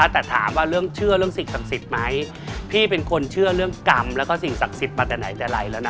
แต่ถามว่าเรื่องเชื่อเรื่องสิ่งศักดิ์สิทธิ์ไหมพี่เป็นคนเชื่อเรื่องกรรมแล้วก็สิ่งศักดิ์สิทธิ์มาแต่ไหนแต่ไรแล้วนะ